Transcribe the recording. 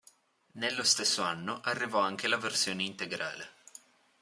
Nello stesso anno arrivò anche la versione integrale.